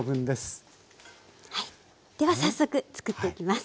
では早速作っていきます。